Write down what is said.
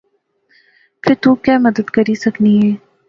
فہ تو کیہہ مدد کری سکنائیں